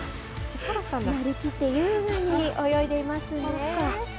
なりきって優雅に泳いでいますね。